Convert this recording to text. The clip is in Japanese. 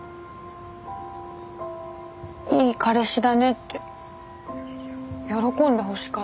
いい彼氏だねって喜んでほしかっただけです。